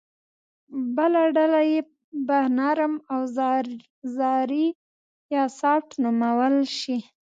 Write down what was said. بله ډله یې به نرم اوزاري یا سافټ نومول شي